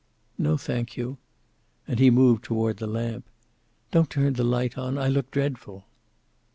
"No, thank you." And he moved toward the lamp. "Don't turn the light on. I look dreadful."